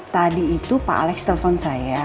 tadi itu pak alex telepon saya